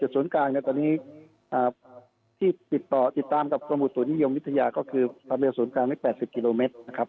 สวนกลางตอนนี้ที่ติดตามกับสมุทรศูนย์นิยมวิทยาก็คือความเร็วสวนกลาง๘๐กิโลเมตรนะครับ